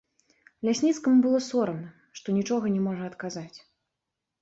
Лясніцкаму было сорамна, што нічога не можа адказаць.